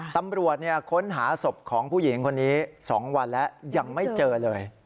ตำรวจค้นหาศพของผู้หญิงคนนี้๒วันแล้วยังไม่เจอเลย